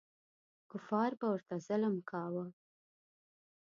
کفار به ورته ظلم کاوه.